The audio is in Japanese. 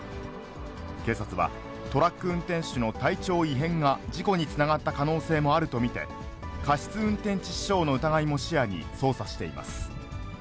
警察は、トラック運転手の体調異変が事故につながった可能性もあると見て、過失運転致死傷の疑いも視野に捜査しています。